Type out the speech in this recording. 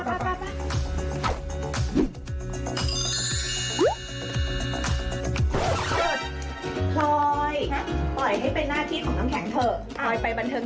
ปล่อยปล่อยปล่อยปล่อยปลดน้ำรใจปล่อยปล่อยต่อไป้ิ้ง